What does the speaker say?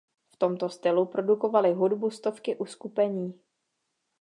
V tomto stylu produkovaly hudbu stovky uskupení.